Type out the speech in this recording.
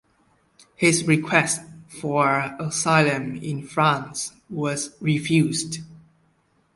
His request for asylum in France was refused.